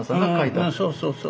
うんそうそうそう。